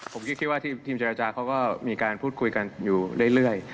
ผมคิดว่าทีมเจรจาเขาก็มีการพูดคุยกันอยู่เรื่อย